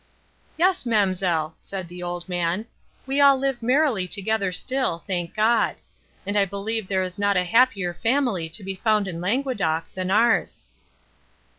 "Yes, ma'amselle," said the old man, "we all live merrily together still, thank God! and I believe there is not a happier family to be found in Languedoc, than ours."